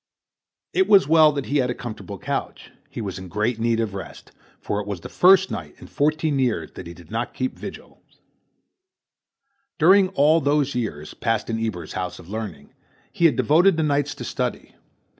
It was well that he had a comfortable couch. He was in great need of rest, for it was the first night in fourteen years that he did not keep vigils. During all those years, passed in Eber's house of learning, he had devoted the nights to study.